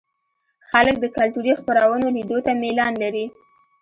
خلک د کلتوري خپرونو لیدو ته میلان لري.